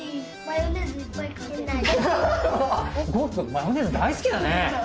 マヨネーズ大好きだね。